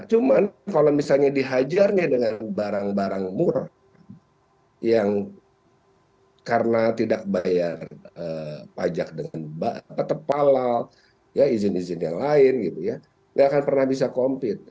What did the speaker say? cuma kalau misalnya dihajarnya dengan barang barang murah yang karena tidak bayar pajak dengan kepala izin izin yang lain gitu ya nggak akan pernah bisa compete